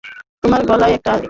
তোমার গলায়ও একটা আছে।